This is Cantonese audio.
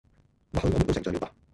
或許我們都成長了吧